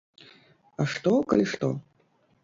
А што, калі што?